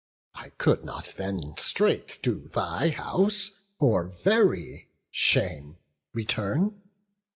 I could not then Straight to thy house, for very shame, return.